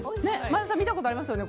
前田さん見たことありますよね。